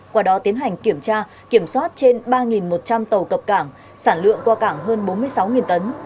qua đó tiến hành kiểm tra kiểm soát trên ba một trăm linh tàu cập cảng sản lượng qua cảng hơn bốn mươi sáu tấn